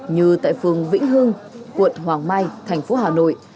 như tại phường vĩnh hưng quận hoàng mai thành phố hà nội